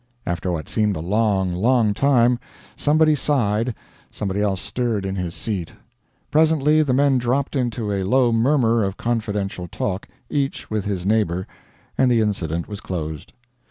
After what seemed a long, long time, somebody sighed, somebody else stirred in his seat; presently, the men dropped into a low murmur of confidential talk, each with his neighbor, and the incident was closed.